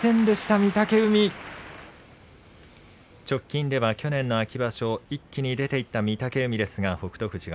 直近では去年の秋場所一気に出ていった御嶽海ですが北勝